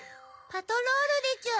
パトロールでちゅ！